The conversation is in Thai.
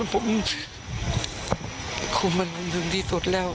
ผมคงไม่รู้ถึงที่สุดแล้ว